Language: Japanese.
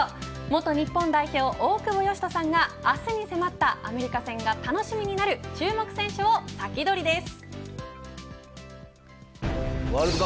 元日本代表大久保嘉人さんが明日に迫ったアメリカ戦が楽しみになる注目選手を先取りです。